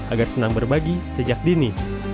agar senang berbagi sejak dini